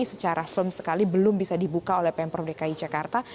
secara firm sekali belum bisa dibuka oleh pemprov dki jakarta